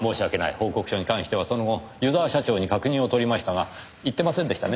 報告書に関してはその後湯沢社長に確認を取りましたが言ってませんでしたね。